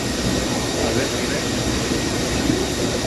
Albert Rivera na Coruña.